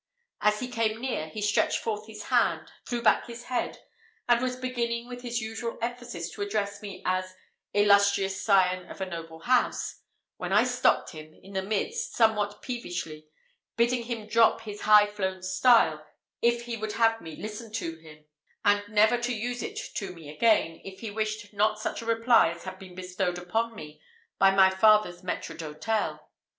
As he came near, he stretched forth his hand, threw back his head, and was beginning with his usual emphasis to address me as "Illustrious scion of a noble house," when I stopped him in the midst somewhat peevishly, bidding him drop his high flown style if he would have me listen to him, and never to use it to me again if he wished not such a reply as had been bestowed upon him by my father's maître d'hôtel.